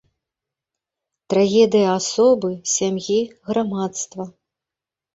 Трагедыя асобы, сям'і, грамадства.